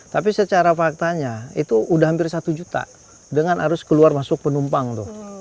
tapi secara faktanya itu sudah hampir satu juta dengan arus keluar masuk penumpang tuh